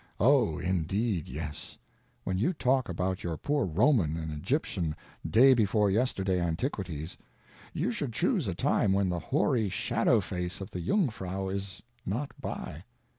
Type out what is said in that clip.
Oh, indeed yes; when you talk about your poor Roman and Egyptian day before yesterday antiquities, you should choose a time when the hoary Shadow Face of the Jungfrau is not by.